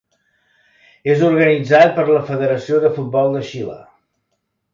És organitzat per la Federació de Futbol de Xile.